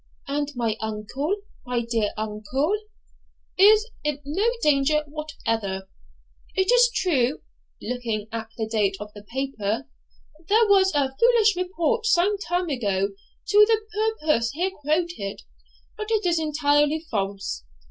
'And my uncle, my dear uncle?' 'Is in no danger whatever. It is true (looking at the date of the paper) there was a foolish report some time ago to the purport here quoted, but it is entirely false.